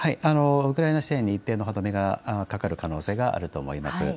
ウクライナ支援に一定の歯止めがかかる可能性があると思います。